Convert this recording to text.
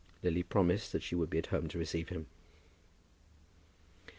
Lily promised that she would be at home to receive him.